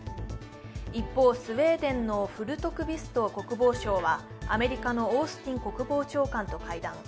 一方、スウェーデンのフルトクビスト国防相はアメリカのオースティン国防長官と会談。